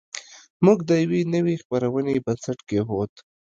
موږ د یوې نوې خپرونې بنسټ کېښود